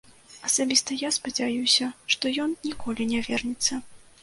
Асабіста я спадзяюся, што ён ніколі не вернецца.